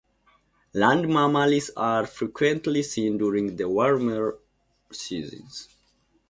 Land mammals are frequently seen during the warmer seasons.